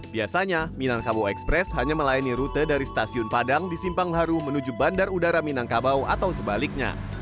biasanya minangkabau express hanya melayani rute dari stasiun padang di simpang haru menuju bandar udara minangkabau atau sebaliknya